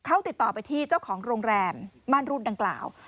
เขาติดต่อไปที่เจ้าของโรงแรมม่านรูปดังกล่าว